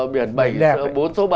biển bảy bốn số bảy